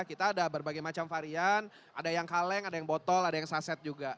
kita ada berbagai macam varian ada yang kaleng ada yang botol ada yang saset juga